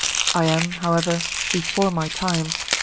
I am, however, before my time.